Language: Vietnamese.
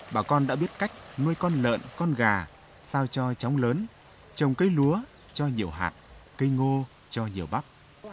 bà con đã biết cách nuôi con lợn con gà sao cho trống lớn trồng cây lúa cho nhiều hạt cây ngô cho nhiều bắp